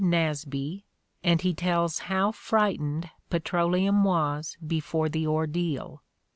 Nasby, and he tells how frightened Petroleum was before the ordeal.